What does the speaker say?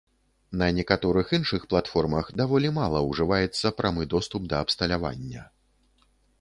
На некаторых іншых платформах даволі мала ужываецца прамы доступ да абсталявання.